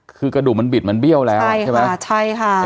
คือกระดูกมันบิดมันเบี้ยวแล้วใช่ใช่ไหมใช่ค่ะ